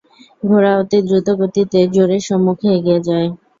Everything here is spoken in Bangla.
ঘোড়া অতি দ্রুত গতিতে জোরে সম্মুখে এগিয়ে যায়।